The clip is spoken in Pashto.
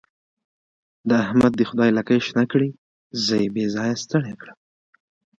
د احمد دې خدای لکۍ شنه کړي؛ زه يې بې ځايه ستړی کړم.